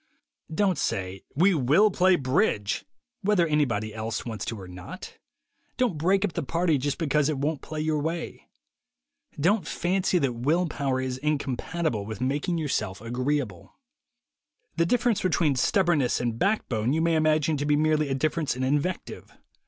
Don't say, "We will play bridge," whether anybody else wants to or not. Don't "break up the party" just because it won't play your way. Don't fancy that will power is in compatible with making yourself agreeable. The difference between stubbornness and back bone you may imagine to be merely a difference in invective.